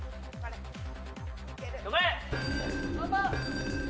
頑張れ！